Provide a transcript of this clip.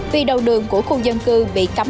vì đầu đường của khu dân cư bị cắm